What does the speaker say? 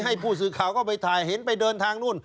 ให้ผู้สื่อข่าวเข้าไปถ่ายเห็นไปเดินทางนู่น